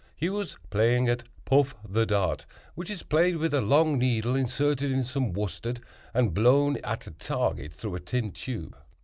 He was playing at 'puff the dart,' which is played with a long needle inserted in some worsted, and blown at a target through a tin tube.